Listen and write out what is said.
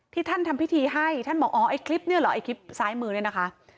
ท่านทำพิธีให้ท่านบอกอ๋อไอ้คลิปเนี่ยเหรอไอ้คลิปซ้ายมือเนี่ยนะคะ